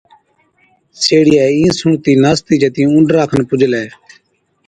سيهڙِيئَي اِين سُڻتِي ناستِي جتِي اُونڏرا کن پُجلَي،